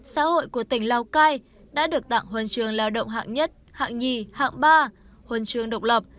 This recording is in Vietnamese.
xã hội của tỉnh lào cai đã được tặng huân trường lao động hạng nhất hạng nhì hạng ba huân chương độc lập